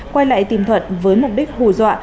quay lại tìm thuận với mục đích hù dọa